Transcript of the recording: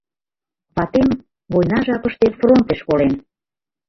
— Ватем... война жапыште фронтеш колен.